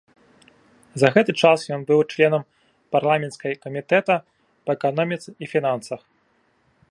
За гэты час ён быў членам парламенцкай камітэта па эканоміцы і фінансах.